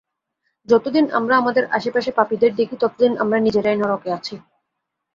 যতদিন আমরা আমাদের আশেপাশে পাপীদের দেখি, ততদিন আমরা নিজেরাই নরকে আছি।